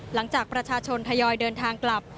หลังจากประชาชนทยอยเดินทางกลับ